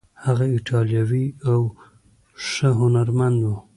هغه ایټالوی و او ښه هنرمند و.